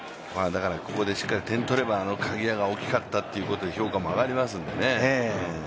ここでしっかり点取れば鍵谷が大きかったということで評価が上がりますからね。